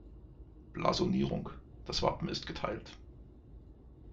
Blasonierung: Das Wappen ist geteilt.